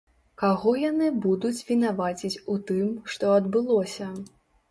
Каго яны будуць вінаваціць у тым, што адбылося?